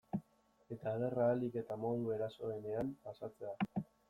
Eta gerra ahalik eta modu erosoenean pasatzea.